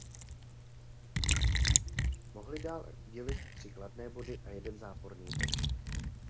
Mohli dále udělit tři kladné body a jeden záporný bod.